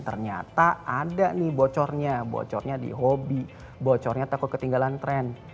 ternyata ada nih bocornya bocornya di hobi bocornya takut ketinggalan tren